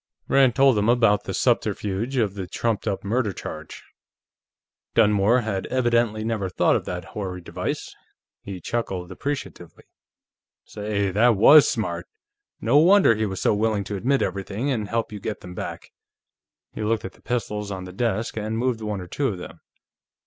Rand told him about the subterfuge of the trumped up murder charge. Dunmore had evidently never thought of that hoary device; he chuckled appreciatively. "Say, that was smart! No wonder he was so willing to admit everything and help you get them back." He looked at the pistols on the desk and moved one or two of them.